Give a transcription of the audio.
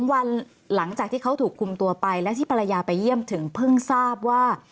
วันหลังจากที่เขาถูกคุมตัวไปและที่ภรรยาไปเยี่ยมถึงเพิ่งทราบว่า